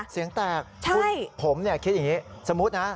ผมเนี่ยคิดอย่างนี้สมมุตินะ